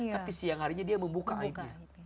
tapi siang harinya dia membuka aibnya